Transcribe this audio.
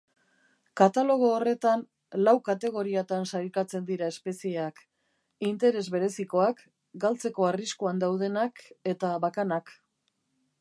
Katalogo horretan lau kategoriatan sailkatzen dira espezieak: interes berezikoak, galtzeko arriskuan daudenak eta bakanak.